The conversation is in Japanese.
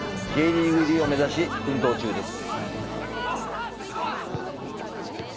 Ｊリーグ入りを目指し、奮闘中です。